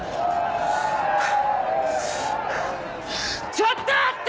ちょっと待った！